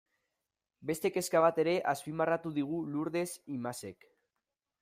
Beste kezka bat ere azpimarratu digu Lurdes Imazek.